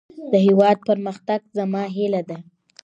د هيواد پرمختګ زما هيله ده.